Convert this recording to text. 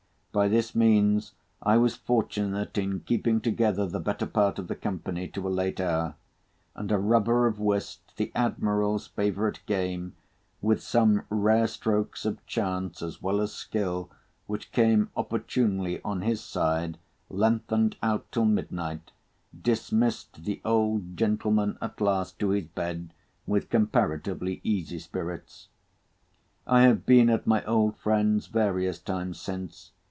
By this means I was fortunate in keeping together the better part of the company to a late hour: and a rubber of whist (the Admiral's favourite game) with some rare strokes of chance as well as skill, which came opportunely on his side—lengthened out till midnight—dismissed the old gentleman at last to his bed with comparatively easy spirits. I have been at my old friend's various times since.